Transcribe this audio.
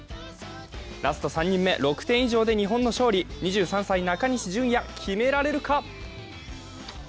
ラスト３人目、６点以上で日本の勝利２３歳・中西絢哉、決められるか。